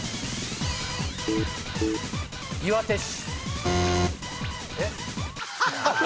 岩手市。